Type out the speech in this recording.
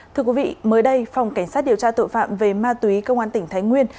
thưa quý vị mới đây phòng cảnh sát điều tra tội phạm về ma túy công an tỉnh thái nguyên